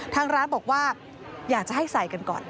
ทางร้านบอกว่าอยากจะให้ใส่กันก่อน